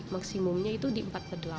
maksimumnya itu di empat ke delapan